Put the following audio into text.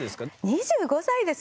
２５歳ですよ？